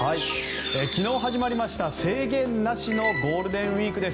昨日始まりました制限なしのゴールデンウィーク。